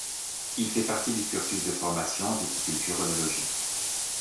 Il fait partie du cursus de formation en viticulture-œnologie.